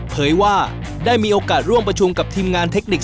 เผยว่าได้มีโอกาสร่วมประชุมกับทีมงานเทคนิค